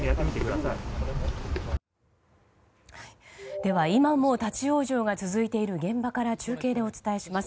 では、今も立ち往生が続いている現場から中継でお伝えします。